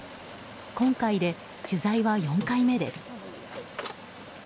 今回で取材は４回目です。